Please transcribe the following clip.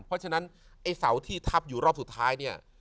เพราะฉะนั้นไอ้เสาที่ทับอยู่รอบสุดท้ายเนี่ย